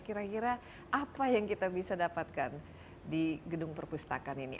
kira kira apa yang kita bisa dapatkan di gedung perpustakaan ini